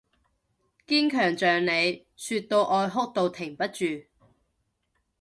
堅強像你，說起愛哭到停不住